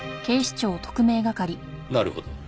なるほど。